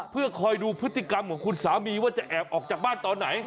เพื่อคอยดูพฤติกรรมของคุณสามีว่าจะแอบออกจากบ้านตอนไหน